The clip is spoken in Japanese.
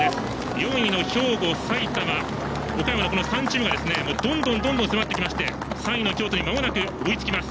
４位の兵庫、埼玉、岡山の３チームがどんどん迫ってきて３位の京都にまもなく追いつきます。